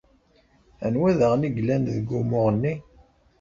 Anwa daɣen i yellan deg wumuɣ-nni?